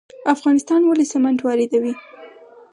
افغانستان ولې سمنټ واردوي؟